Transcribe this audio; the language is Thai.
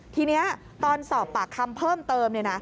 ทีนี้ตอนสอบปากคำเพิ่มเติม